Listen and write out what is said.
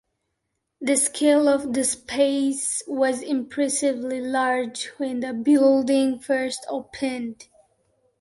The scale of the spaces was impressively large when the building first opened.